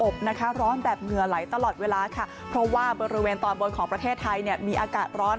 ร้อนแบบเหงื่อไหลตลอดเวลาค่ะเพราะว่าบริเวณตอนบนของประเทศไทยเนี่ยมีอากาศร้อน